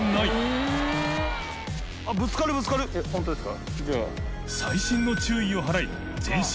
えっ本当ですか？